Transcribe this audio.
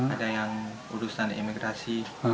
ada yang urusan imigrasi